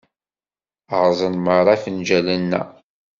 Rrẓen merra ifenǧalen-a.